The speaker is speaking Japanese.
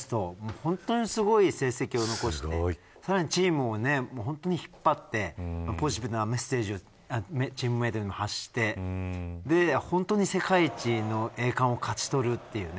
本当に、すごい成績を残してさらにチームを本当に引っ張ってポジティブなメッセージをチームメートにも発して本当に世界一の栄冠を勝ち取るというね。